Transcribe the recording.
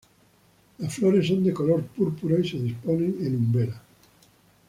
Las flores son de color púrpura y se disponen en umbela.